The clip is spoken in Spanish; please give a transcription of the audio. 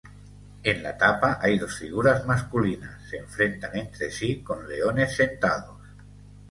En la tapa hay dos figuras masculinas se enfrentan entre sí con leones sentados.